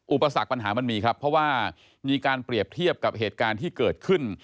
อุปสรรคปัญหามันมีครับเพราะว่ามีการเปรียบเทียบกับเหตุการณ์ที่เกิดขึ้น